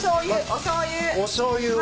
おしょうゆを。